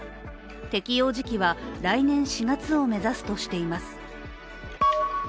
適用時期は来年４月を目指すとしています。